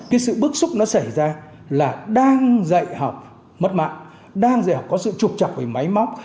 cái sự bức xúc nó xảy ra là đang dạy học mất mạng đang dạy học có sự trục trặc về máy móc